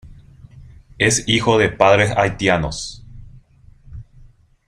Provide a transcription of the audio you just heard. Es hijo de padres haitianos.